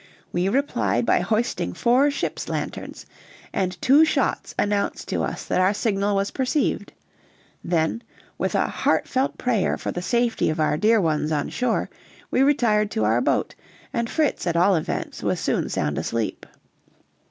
We replied by hoisting four ship's lanterns, and two shots announced to us that our signal was perceived; then, with a heartfelt prayer for the safety of our dear ones on shore, we retired to our boat, and Fritz, at all events, was soon sound asleep.